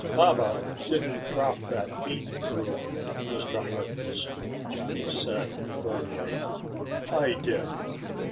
"Baba didn't drop that meat fruit, Mr. Harkness," Johnny said firmly. "I did."